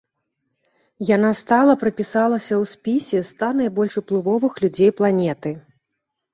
Яна стала прапісалася ў спісе ста найбольш уплывовых людзей планеты.